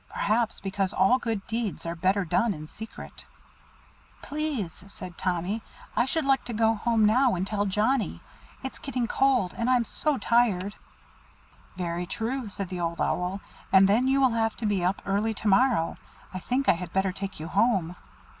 Perhaps because all good deeds are better done in secret." "Please," said Tommy, "I should like to go home now, and tell Johnnie. It's getting cold, and I am so tired!" "Very true," said the Old Owl, "and then you will have to be up early to morrow. I think I had better take you home."